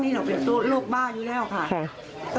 นี่เราเป็นโรคบ้าอยู่แล้วค่ะ